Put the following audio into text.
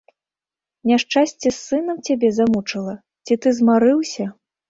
Няшчасце з сынам цябе замучыла, ці ты змарыўся?